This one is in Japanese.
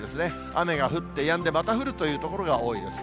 雨が降ってやんで、また降るという所が多いです。